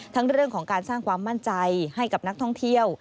เรื่องของการสร้างความมั่นใจให้กับนักท่องเที่ยว